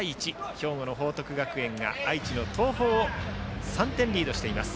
兵庫の報徳学園が、愛知の東邦を３点リードしています。